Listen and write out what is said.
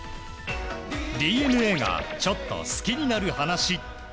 ＤｅＮＡがちょっと好きになる話。